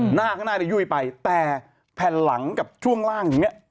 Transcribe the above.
หน้ากลางหน้าอย่างงี้แต่แผ่นหลังกับช่วงล่างอย่างนี้